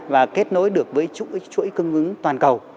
và kết nối được với chuỗi cung ứng toàn cầu